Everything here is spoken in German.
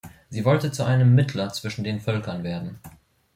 Sie wollte zu einem Mittler zwischen den Völkern werden.